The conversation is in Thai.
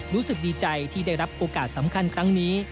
รู้สึกดีใจที่ได้รับโอกาสสำคัญครั้งนี้